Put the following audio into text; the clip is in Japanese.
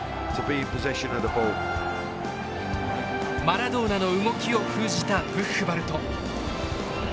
マラドーナの動きを封じたブッフバルト。